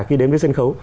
khi đến với sân khấu